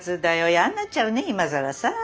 やんなっちゃうね今更さ。